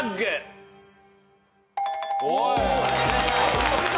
お！